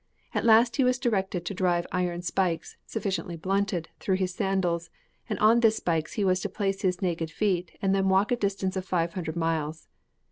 At last he was directed to drive iron spikes, sufficiently blunted, through his sandals, and on these spikes he was to place his naked feet and then walk a distance of five hundred miles.